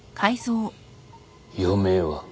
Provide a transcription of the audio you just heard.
余命は？